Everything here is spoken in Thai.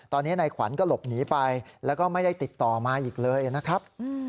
ตอนนี้นายขวัญก็หลบหนีไปแล้วก็ไม่ได้ติดต่อมาอีกเลยนะครับ